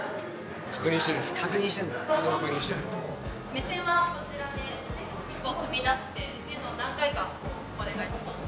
・目線はこちらで一歩踏み出してっていうのを何回かお願いします！